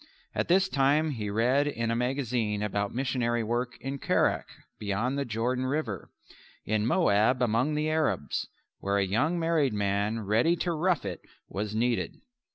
At this time he read in a magazine about missionary work in Kerak beyond the River Jordan in Moab among the Arabs where a young married man ready to rough it was needed.